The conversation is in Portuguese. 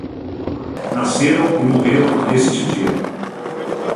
Nasceram e morreram neste dia